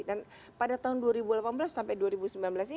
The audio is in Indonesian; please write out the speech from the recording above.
dan pada tahun dua ribu delapan belas sampai